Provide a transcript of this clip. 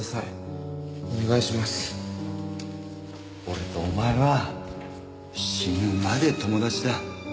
俺とお前は死ぬまで友達だ。